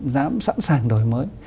dám sẵn sàng đổi mới